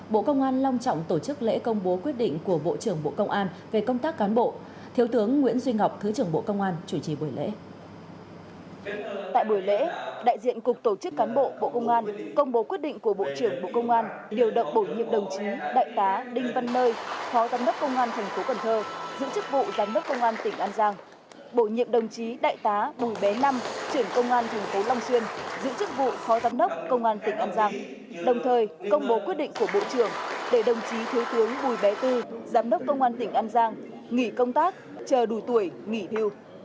bùi bé năm trưởng công an thành phố long xuyên giữ chức vụ phó giám đốc công an tỉnh an giang đồng thời công bố quyết định của bộ trưởng để đồng chí thiếu tướng bùi bé bốn giám đốc công an tỉnh an giang nghỉ công tác chờ đủ tuổi nghỉ thiêu